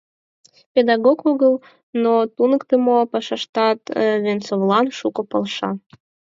Педагог огыл, но туныктымо пашаштат Венцовлан шуко полша.